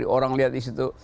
orang lihat disitu